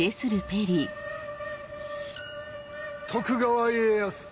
徳川家康